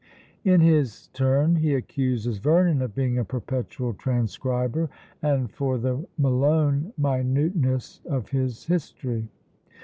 In his turn he accuses Vernon of being a perpetual transcriber, and for the Malone minuteness of his history.